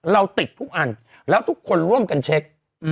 เราติดทุกอันแล้วทุกคนร่วมกันเช็ค